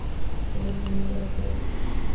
Ofrecimiento de prueba.